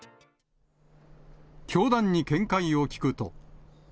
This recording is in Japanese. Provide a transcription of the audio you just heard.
教団に見解を聞くと。